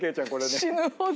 死ぬほど。